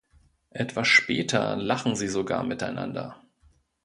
Etwas später lachen sie sogar miteinander.